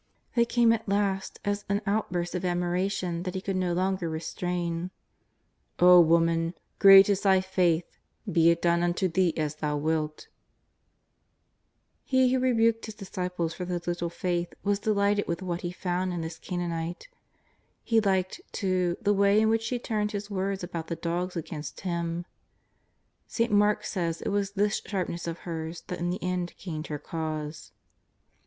They came at last as an out burst of admiration that He could no longer restrain :'^ O woman, great is thy faith, be it done unto thee as thou wilt !" He who rebuked His disciples for their little faith was delighted with what He found in this Canaanite. He liked, too, the way in which she turned His words about the dogs against Him. St. Mark says it was this sharpness of hers that in the end gained her cause.